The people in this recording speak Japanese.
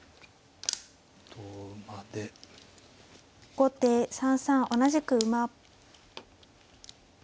後手３三同じく馬。